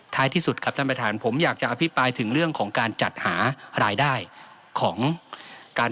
ที่สุดครับท่านประธานผมอยากจะอภิปรายถึงเรื่องของการจัดหารายได้ของการ